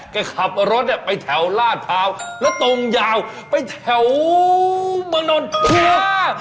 ไปขับรถไปแถวลาดพาวแล้วตรงยาวไปแถวบางดนที่พร้อม